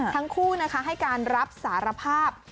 ทั้งคู่นะคะให้การรับสารภาพ